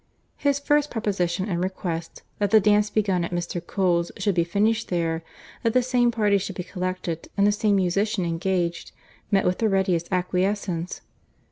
His first proposition and request, that the dance begun at Mr. Cole's should be finished there—that the same party should be collected, and the same musician engaged, met with the readiest acquiescence.